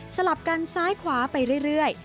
ลับกันซ้ายขวาไปเรื่อย